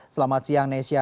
selamat siang nesya